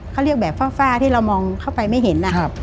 เขาเรียกแบบฟ้าที่เรามองเข้าไปไม่เห็น